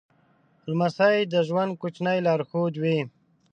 لمسی د ژوند کوچنی لارښود وي.